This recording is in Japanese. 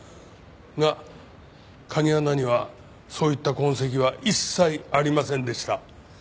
が鍵穴にはそういった痕跡は一切ありませんでした。